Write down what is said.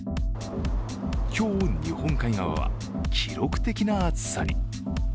今日、日本海側は記録的な暑さに。